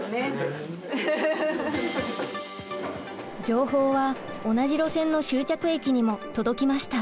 情報は同じ路線の終着駅にも届きました。